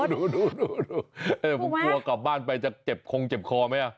พวกเรากลับบ้านไปจะเจ็บขวงเจ็บคอไหมอ่ะ